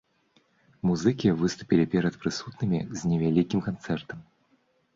Музыкі выступілі перад прысутнымі з невялікім канцэртам.